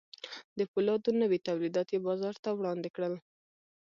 د پولادو نوي تولیدات یې بازار ته وړاندې کړل